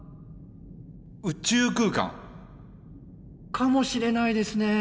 宇宙空間！かもしれないですねぇ。